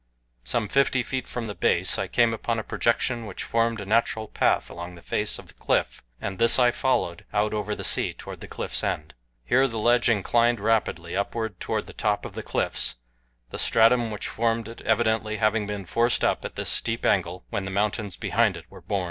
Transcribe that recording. Some fifty feet from the base I came upon a projection which formed a natural path along the face of the cliff, and this I followed out over the sea toward the cliff's end. Here the ledge inclined rapidly upward toward the top of the cliffs the stratum which formed it evidently having been forced up at this steep angle when the mountains behind it were born.